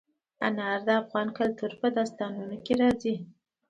انار د افغان کلتور په داستانونو کې راځي.